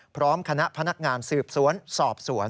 พร้อมคณะพนักงานสืบสวนสอบสวน